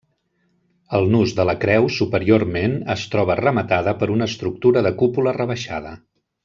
El nus de la creu superiorment es troba rematada per una estructura de cúpula rebaixada.